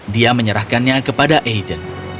dia menyerahkannya kepada aiden